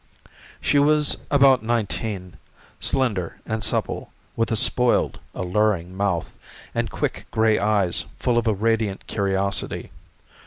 She was about nineteen, slender and supple, with a spoiled alluring mouth and quick gray eyes full of a radiant curiosity.